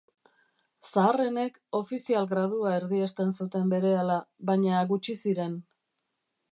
Zaharrenek ofizialgradua erdiesten zuten berehala, baina gutxi ziren.